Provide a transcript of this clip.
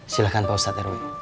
silahkan pak ustadz rw